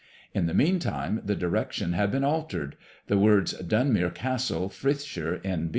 In the meantime the direction had been altered. The words Dun mere Castle, Frithshire, N.